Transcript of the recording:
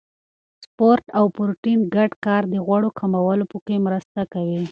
سپورت او پروتین ګډ کار د غوړو کمولو کې مرسته کوي.